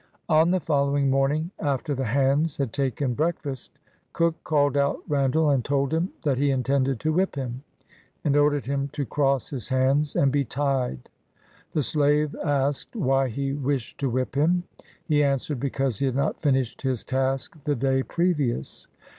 On the following morning, after the hands had taken breakfast, Cook called out Randall and told him that he intended to whip him, and ordered him to cross his hands and be tied. The slave asked why he wished to whip him. He answered, because he had not finished his task the day previous.